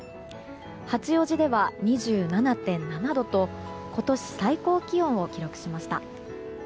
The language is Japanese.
八王子では２７．７度と今年最高気温を記録しました。